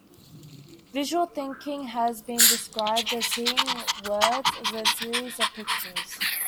Visual thinking has been described as seeing words as a series of pictures.